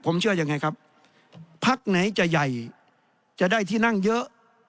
ผมเชื่อยังไงครับพักไหนจะใหญ่จะได้ที่นั่งเยอะ